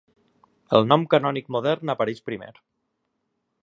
El nom canònic modern apareix primer.